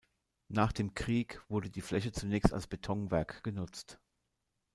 Nach dem Krieg wurde die Fläche zunächst als Betonwerk genutzt.